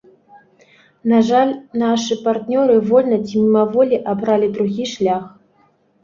На жаль, нашы партнёры вольна ці мімаволі абралі другі шлях.